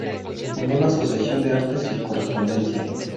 Fundó la Asociación de Artes y Correspondencia.